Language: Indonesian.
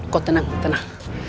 kok tenang tenang